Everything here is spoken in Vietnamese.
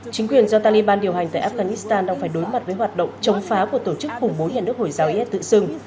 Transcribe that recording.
chính quyền do taliban điều hành tại afghanistan đang phải đối mặt với hoạt động chống phá của tổ chức khủng bố nhà nước hồi giáo is tự xưng